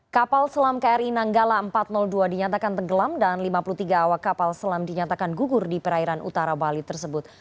kapal selam kri nanggala empat ratus dua dinyatakan tenggelam dan lima puluh tiga awak kapal selam dinyatakan gugur di perairan utara bali tersebut